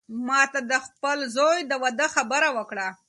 ما ته د خپل زوی د واده خبره وکړه.